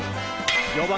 ４番